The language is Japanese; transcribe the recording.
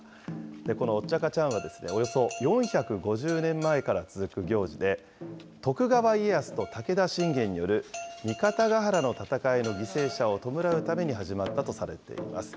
このオッチャカチャンは、およそ４５０年前から続く行事で、徳川家康と武田信玄による三方ヶ原の戦いの犠牲者を弔うために始まったとされています。